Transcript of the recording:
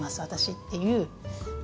っていう。